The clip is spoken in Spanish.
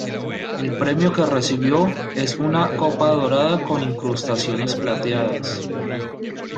El premio que recibió es una copa dorada con incrustaciones plateadas.